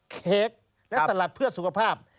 เค้กและสลัดเพื่อสุขภาพ